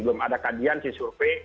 belum ada kajian si survei